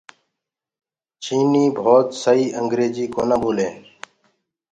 چآئيٚنج ڀوت سئي اينگريجيٚ ڪونآ ٻولينٚ۔